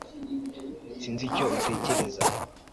Sinzi icyo utekereza